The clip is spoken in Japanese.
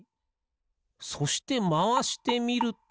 そしてまわしてみると